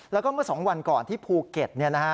แล้วก็เมื่อ๒วันก่อนที่ภูเก็ต